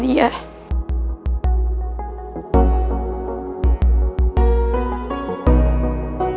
ndengku juga bisa dua puluh